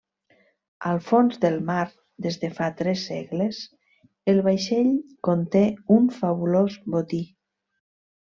Al fons del mar des de fa tres segles, el vaixell conté un fabulós botí.